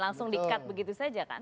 langsung di cut begitu saja kan